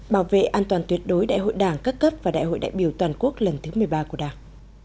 bảo vệ an toàn tuyệt đối đại hội đảng các cấp và đại hội đại biểu toàn quốc lần thứ một mươi ba của đảng